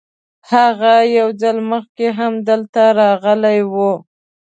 هغه یو ځل مخکې هم دلته راغلی و.